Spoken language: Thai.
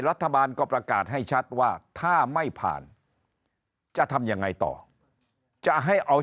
รัฐบาลก็ประกาศให้ชัดว่าถ้าไม่ผ่านจะทำยังไงต่อจะให้เอา